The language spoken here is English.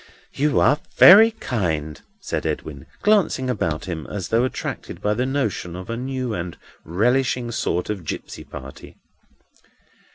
"You are very kind," said Edwin, glancing about him as though attracted by the notion of a new and relishing sort of gipsy party.